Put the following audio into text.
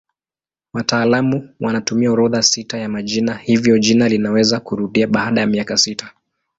Wataalamu wanatumia orodha sita ya majina hivyo jina linaweza kurudia baada ya miaka sita.